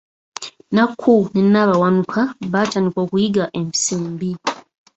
Nnakku ne Nabawamuka baatandika okuyiga empisa embi.